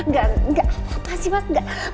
gak gak apa apa sih mas gak